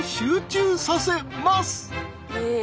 へえ！